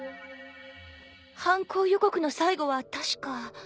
犯行予告の最後は確か。